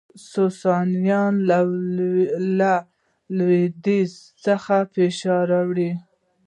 ساسانیانو له لویدیځ څخه فشار راوړ